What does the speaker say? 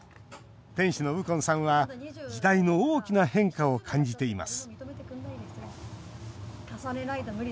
店主の右近さんは、時代の大きな変化を感じています